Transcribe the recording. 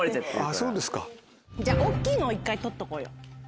じゃあ大きいのを１回取っとこうよ。